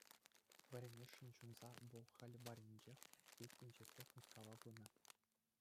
Вӗренесшӗн ҫунса, вӑл хӗл варринчех пит инҫетрен Мускава пынӑ.